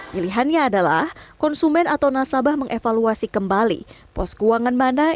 pilihannya adalah konsumen atau nasabah mengevaluasi kembali pos keuangan mana